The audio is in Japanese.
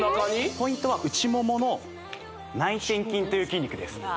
ポイントは内ももの内転筋という筋肉です